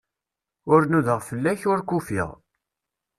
Ur nudaɣ fell-ak, ur k-ufiɣ.